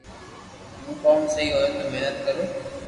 ھين ڪوم سھي ھوئي تو محنت ڪرو